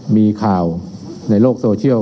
มีข่าวในโลกโซเชียล